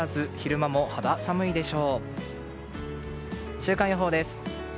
週間予報です。